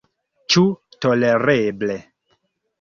Ĉu tolereble?